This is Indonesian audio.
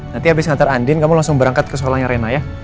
nanti habis ngantar andin kamu langsung berangkat ke sekolahnya rena ya